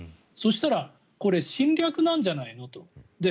そうしたらこれ、侵略なんじゃないの？と。